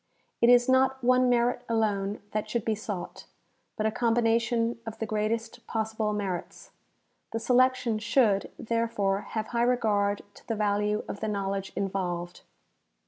It is not one merit alone that should be sought, but a combination of the greatest possible merits. The selection should, therefore, have high regard to the value of the knowledge involved.